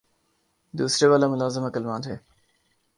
دوسرے والا ملازم عقلمند ہے